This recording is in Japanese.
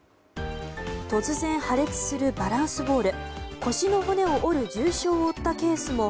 突然破裂するバランスボール。